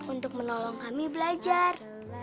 untuk menolong kami belajar